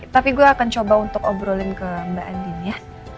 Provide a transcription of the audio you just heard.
tapi gue akan coba untuk obrolin ke mbak andin ya